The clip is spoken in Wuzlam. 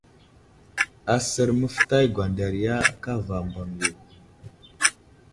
Asər məftay gwanderiya kava mbaŋ yo.